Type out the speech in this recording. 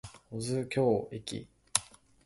保津峡駅